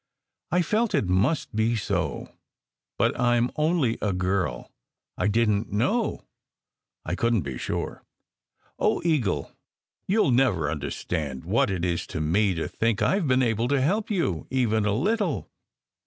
"I felt it must be so; but I m only a girl. I didn t know. I couldn t be sure. Oh, Eagle! You ll never understand what it is to me to think I ve been able to help you, even a little.